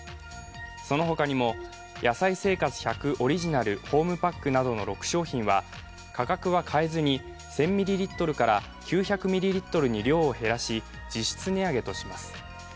その他にも、野菜生活１００オリジナルホームパックなどの６商品は価格は変えずに１０００ミリリットルから９００ミリリットルに量を減らし実質値上げとします。